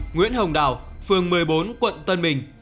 nguyễn hồng đào phường một mươi bốn quận tân mình